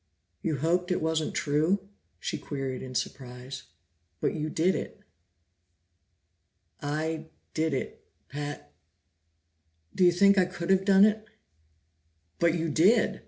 "You hoped it wasn't true?" she queried in surprise. "But you did it." "I did it, Pat? Do you think I could have done it?" "But you did!"